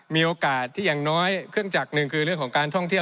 มีโอกาสที่อย่างน้อยเครื่องจักรหนึ่งคือเรื่องของการท่องเที่ยว